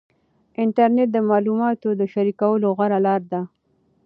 انټرنیټ د معلوماتو د شریکولو غوره لار ده.